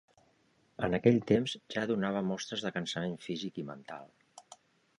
En aquell temps ja donava mostres de cansament físic i mental.